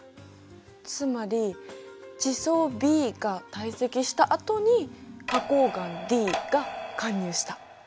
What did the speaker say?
つまり地層Ｂが堆積したあとに花こう岩Ｄが貫入した。